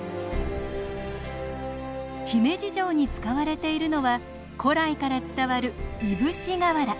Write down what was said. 姫路城に使われているのは古来から伝わるいぶし瓦。